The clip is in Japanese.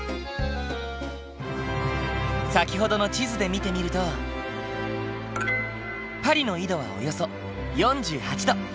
先ほどの地図で見てみるとパリの緯度はおよそ４８度。